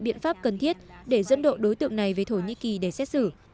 biện pháp cần thiết để dẫn độ đối tượng này về thổ nhĩ kỳ để xét xử